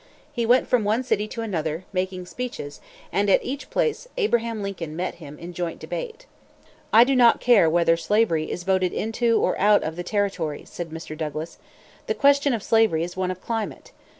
He went from one city to another, making speeches; and at each place Abraham Lincoln met him in joint debate. "I do not care whether slavery is voted into or out of the territories," said Mr. Douglas. "The question of slavery is one of climate.